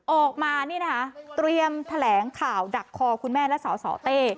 ออกมานี่นะคะเตรียมแถลงข่าวดักคอคุณแม่และสสเต้